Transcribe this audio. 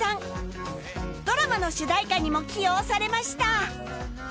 ドラマの主題歌にも起用されました